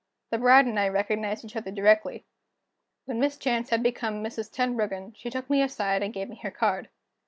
The bride and I recognized each other directly. When Miss Chance had become Mrs. Tenbruggen, she took me aside, and gave me her card.